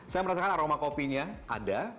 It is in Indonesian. saya merasakan aroma kopinya ada